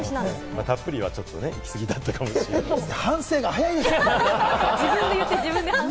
たっぷりはちょっと行き過ぎだったかもしれませんけど。